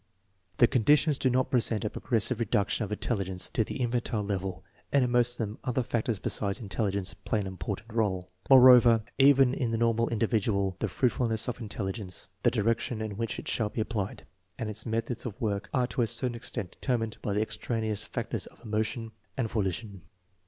These conditions do not present a progressive reduction of intelligence to the in fantile level, and in most of them other factors besides in telligence play an important role. Moreover, oven in the normal individual the fruitfulness of intelligence, the direc tion in which it shall be applied, and its methods of work THE BESHET SIMON METHOD 49 are to a certain extent determined by the extraneous fac tors of emotion and volition.